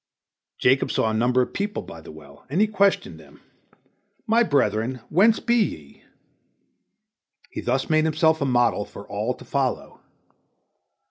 Jacob saw a number of people by the well, and he questioned them, "My brethren, whence be ye?" He thus made himself a model for all to follow.